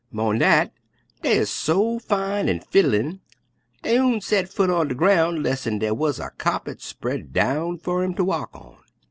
Mo'n dat, dey 'uz so fine an' fiddlin' dey oon set foot ter de groun' lessen dar wuz a kyarpet spread down fer 'em ter walk on.